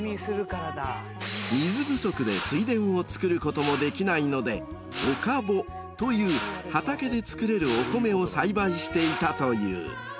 ［水不足で水田を作ることもできないのでおかぼという畑で作れるお米を栽培していたという］